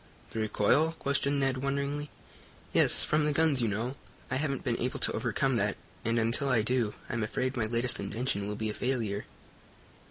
"The recoil?" questioned Ned, wonderingly. "Yes, from the guns, you know. I haven't been able to overcome that, and, until I do, I'm afraid my latest invention will be a failure."